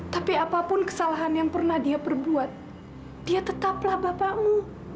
tapi apapun kesalahan yang pernah dia berbuat dia tetaplah bapakmu